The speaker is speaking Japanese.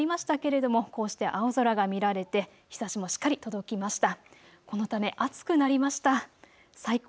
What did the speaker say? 薄い雲の広がった時間はありましたけれども、こうして青空が見られて日ざしもしっかり届きました。